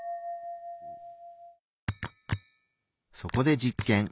そこで実験。